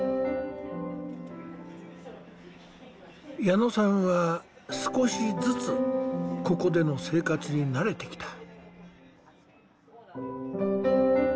矢野さんは少しずつここでの生活に慣れてきた。